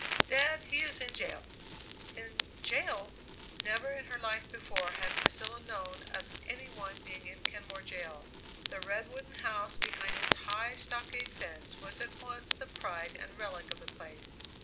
Dad, he is in jail!" "In jail!" Never in her life before had Priscilla known of any one being in Kenmore jail. The red, wooden house behind its high, stockade fence was at once the pride and relic of the place.